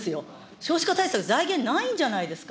少子化対策、財源ないんじゃないですか。